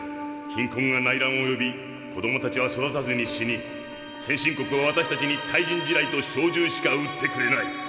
貧困が内乱を呼び子供たちは育たずに死に先進国は私たちに対人地雷と小銃しか売ってくれない。